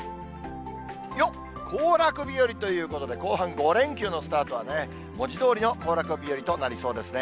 よっ、行楽日和ということで、後半５連休のスタートはね、文字どおりの行楽日和となりそうですね。